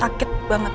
sakit banget ya